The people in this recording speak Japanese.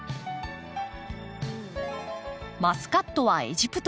マスカットはエジプト原産。